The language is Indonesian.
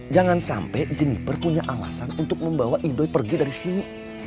jangan sampai jenniper punya alasan untuk membawa edoy pergi dari sini